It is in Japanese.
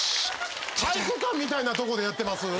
体育館みたいなとこでやってます？